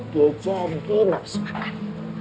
gejar genap suka makan